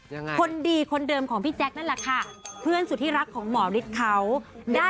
ยังไงคนดีคนเดิมของพี่แจ๊คนั่นแหละค่ะเพื่อนสุดที่รักของหมอฤทธิ์เขาได้